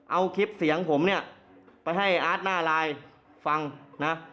เอาคลิปเสียงผมเนี่ยไปให้อาร์ตหน้าไลน์ฟังนะ